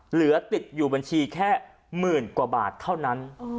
เหลือติดอยู่บัญชีแค่หมื่นกว่าบาทเท่านั้น